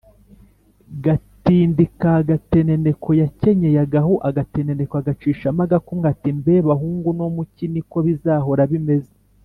Gatindi ka Gateneneko yakenyeye agahu agateneneko agacishamo agakumwe, ati mbe bahungu no mu cyi ni ko bizahora bimeze?